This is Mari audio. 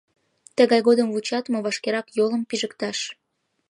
Тыгай годым вучат мо — вашкерак йолым пижыкташ!